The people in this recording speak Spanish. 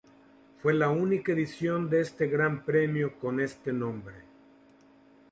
Fue la única edición de este Gran Premio con este nombre.